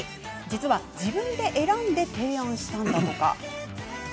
実は、自分で選んで提案したんだとか。